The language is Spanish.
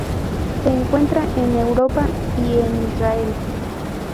Se encuentra en Europa y en Israel.